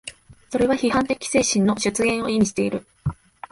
それは批判的精神の出現を意味している。